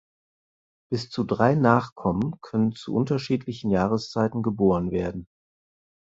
Bis zu drei nachkommen können zu unterschiedlichen Jahreszeiten geboren werden.